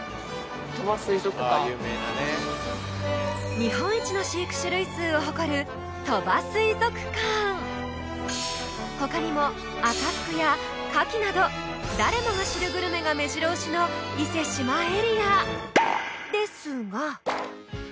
日本一の飼育種類数を誇る「鳥羽水族館」他にも「赤福」や「牡蠣」など誰もが知るグルメが目白押しの伊勢志摩エリア！